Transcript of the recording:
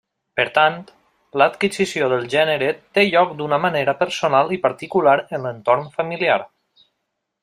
Per tant, l'adquisició del gènere té lloc d'una manera personal i particular en l'entorn familiar.